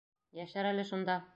Йәшәр әле шунда.